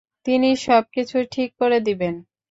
তিনি সবকিছু ঠিক করে দিবেন।